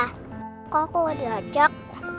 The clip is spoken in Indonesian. kok aku nggak diajak